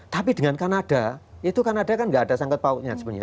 tapi dengan kanada itu kanada kan nggak ada sangkut pautnya sebenarnya